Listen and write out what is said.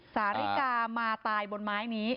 สาริกามาตายบนไม้นี้